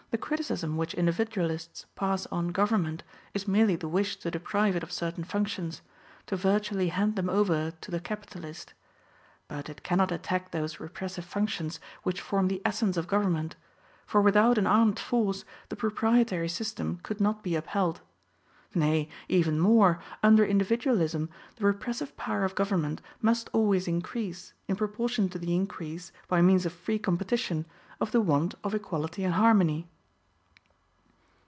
The criticism which Individualists pass on government is merely the wish to deprive it of certain functions, to virtually hand them over to the capitalist. But it cannot attack those repressive functions which form the essence of government; for without an armed force the proprietary system could not be upheld. Nay, even more, under Individualism, the repressive power of government must always increase, in proportion to the increase, by means of free competition, of the want of equality and harmony.